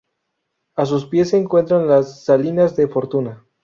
A sus pies se encuentran las "Salinas de Fortuna"